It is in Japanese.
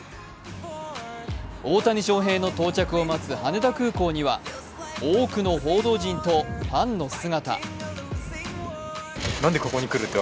大谷翔平の到着を待つ羽田空港には多くの報道陣とファンの姿。